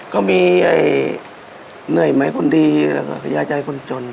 ก็มีเหนื่อยไหมคนดีแล้วก็ขยายใจคนจน